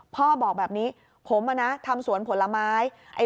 พ่อบอกแบบนี้ผมทำสวนผลไม้